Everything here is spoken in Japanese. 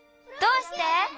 どうして？